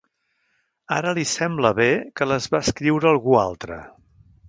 Ara li sembla que les va escriure algú altre.